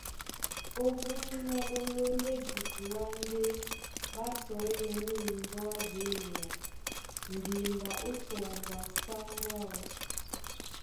Ó búnyá ɓó lóndɛ́ dibuá ndé ɓá sɔínɔ̄ nîn mbɔ́ á jěmea mbimba ó sɔŋgɔ a sáŋgó áō.